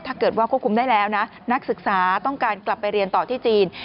ถ้าเกิดว่าควบคุมได้แล้วนักศึกษาต้องการกลับไปเรียนต่อที่จีน